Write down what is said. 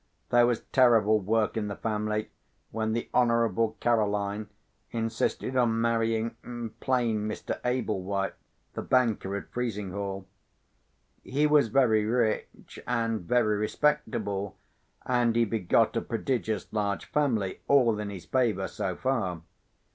There was terrible work in the family when the Honourable Caroline insisted on marrying plain Mr. Ablewhite, the banker at Frizinghall. He was very rich and very respectable, and he begot a prodigious large family—all in his favour, so far.